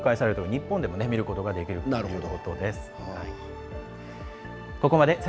日本でも見ることができるということです。